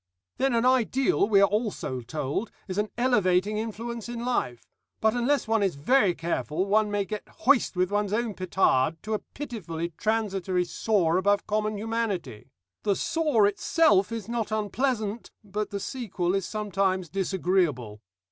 "Then an ideal, we are also told, is an elevating influence in life; but unless one is very careful one may get hoist with one's own petard to a pitifully transitory soar above common humanity. The soar itself is not unpleasant, but the sequel is sometimes disagreeable.